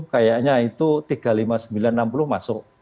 kayaknya itu tiga puluh lima ribu sembilan ratus enam puluh masuk